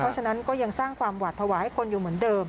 เพราะฉะนั้นก็ยังสร้างความหวาดภาวะให้คนอยู่เหมือนเดิม